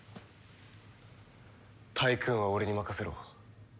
タイクーンは俺に任せろ。